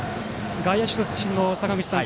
外野手出身の坂口さん。